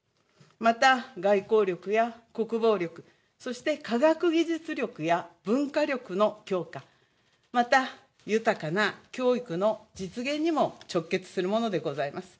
また外交力や国防力、そして科学技術力や文化力の強化、また、豊かな教育の実現にも直結するものでございます。